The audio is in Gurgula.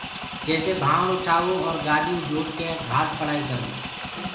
جيسي ڀآڻ اُٺآوو اور گآڏِيو مي جوٽڪي گھآس پݪائيٚ ڪروو